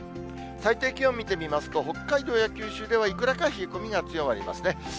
最低気温見てみますと、北海道や九州ではいくらか冷え込みが強まりますね。